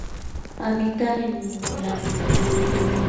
Habita en el África.